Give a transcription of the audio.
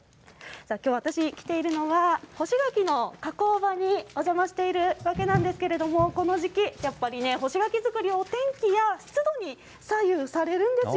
きょう、私来ているのは、干し柿の加工場にお邪魔しているわけなんですけれども、この時期、やっぱり干し柿作り、お天気や湿度に左右されるんですよ。